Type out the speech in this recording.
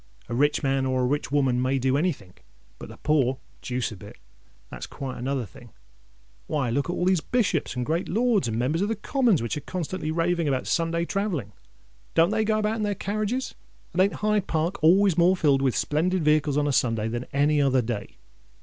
"A rich man or a rich woman may do anythink; but the poor—deuce a bit! That's quite another thing. Why, look at all these Bishops, and great Lords, and Members of the Commons, which are constantly raving about Sunday travelling: don't they go about in their carriages? and ain't Hyde Park always more filled with splendid vehicles on a Sunday than on any other day?